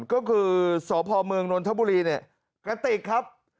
ก็คือสพเมืองนนทบุรีเนี่ยกระติกครับ